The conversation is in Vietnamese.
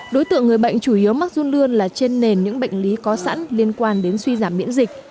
đối tượng người bệnh chủ yếu mắc run lươn là trên nền những bệnh lý có sẵn liên quan đến suy giảm miễn dịch